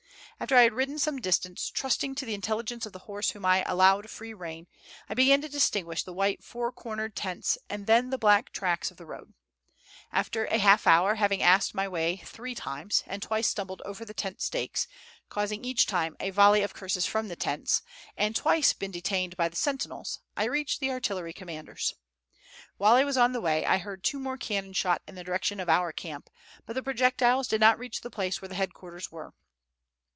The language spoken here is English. After I had ridden some distance, trusting to the intelligence of the horse whom I allowed free rein, I began to distinguish the white four cornered tents and then the black tracks of the road. After a half hour, having asked my way three times, and twice stumbled over the tent stakes, causing each time a volley of curses from the tents, and twice been detained by the sentinels, I reached the artillery commander's. While I was on the way, I heard two more cannon shot in the direction of our camp; but the projectiles did not reach to the place where the headquarters were.